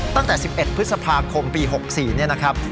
ตั้งแต่๑๑พฤษภาคมปี๖๔เนี่ยนะครับ